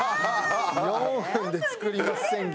４分で作ります宣言。